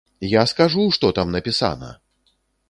Я скажу, што там напісана!